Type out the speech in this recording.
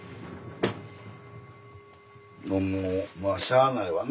もうまあしゃあないわな。